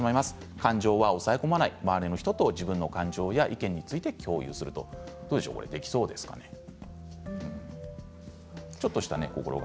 感情は抑え込まない周りの人と自分の感情や意見について共有するできそうでしょうか。